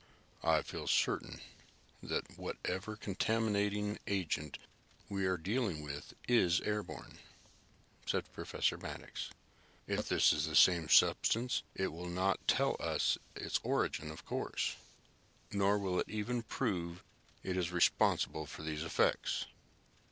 "I feel certain that whatever contaminating agent we are dealing with is airborne," said Professor Maddox. "If this is the same substance it will not tell us its origin, of course, nor will it even prove it is responsible for these effects.